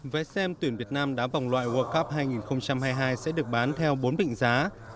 vé xem tuyển việt nam đá vòng loại world cup hai nghìn hai mươi hai sẽ được bán theo bốn định giá